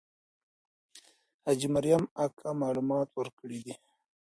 حاجي مریم اکا معلومات ورکړي دي.